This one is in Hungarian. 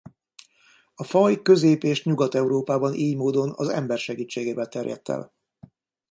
A faj Közép- és Nyugat-Európában ily módon az ember segítségével terjedt el.